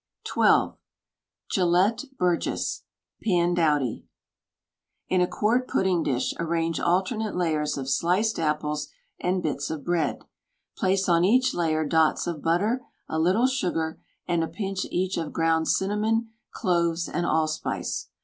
WRITTEN FOR MEN BY MEN xn Gelett Burgess PANDOWDY In a quart pudding dish arrange alternate layers of sliced apples and bits of bread; place on each layer dots of butter, a little sugar, and a pinch each of ground cinnamon, cloves and allspice.